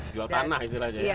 jual tanah istilahnya